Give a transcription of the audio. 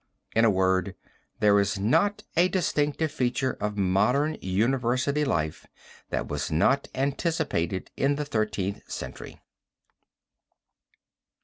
In a word there is not a distinctive feature of modern university life that was not anticipated in the Thirteenth Century.